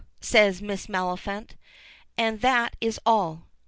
says Miss Maliphant, and that is all.